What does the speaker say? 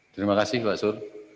terima kasih mbak sur